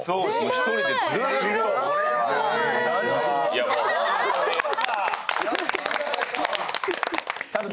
１人でずっと。